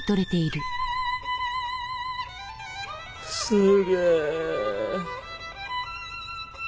すげえ。